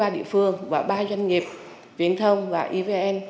ba địa phương và ba doanh nghiệp viện thông và ivn